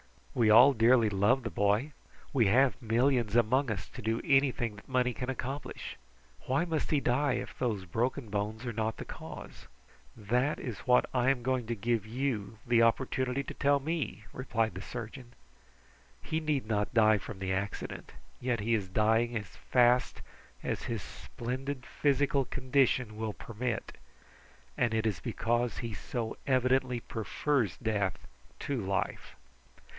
"We all dearly love the boy. We have millions among us to do anything that money can accomplish. Why must he die, if those broken bones are not the cause?" "That is what I am going to give you the opportunity to tell me," replied the surgeon. "He need not die from the accident, yet he is dying as fast as his splendid physical condition will permit, and it is because he so evidently prefers death to life.